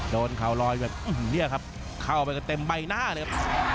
โดนเขาลอยแบบเนี่ยครับเข้าไปกันเต็มใบหน้าเลยครับ